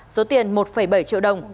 số tiền một bảy triệu đồng